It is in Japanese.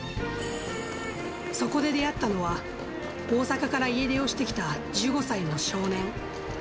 そこで出会ったのは、大阪から家出をしてきた１５歳の少年。